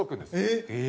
えっ！